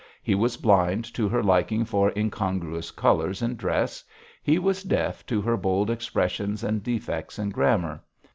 He was blind to her liking for incongruous colours in dress: he was deaf to her bold expressions and defects in grammar.